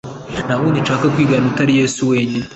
Ntawundi nshaka kwigana utari yesu wenyine